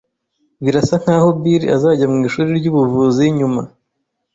Birasa nkaho Bill azajya mwishuri ry'ubuvuzi nyuma.